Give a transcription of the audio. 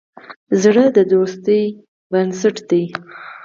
زړه د دوستی بنسټ دی.